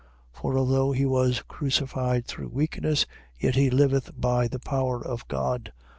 13:4. For although he was crucified through weakness, yet he liveth by the power of God.